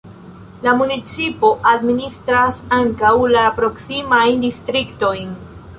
La municipo administras ankaŭ la proksimajn distriktojn.